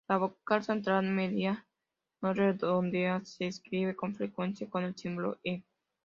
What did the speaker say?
La vocal central media no redondeada se escribe con frecuencia con el símbolo ə.